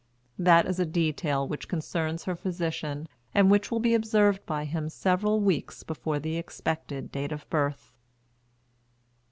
That is a detail which concerns her physician, and which will be observed by him several weeks before the expected date of birth.